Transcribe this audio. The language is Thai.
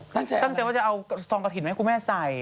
ตั้งใจว่าจะเอาทรองกะถิ่นไว้ให้คุณแม่ใส่